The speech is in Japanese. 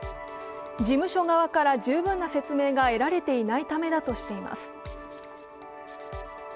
事務所側から十分な説明が得られていないためだとしています。